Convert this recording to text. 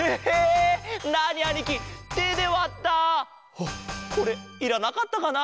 あっこれいらなかったかな？